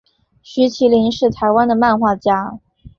徐麒麟是台湾的漫画家。